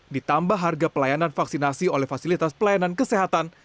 ditambah harga pelayanan vaksinasi oleh fasilitas pelayanan kesehatan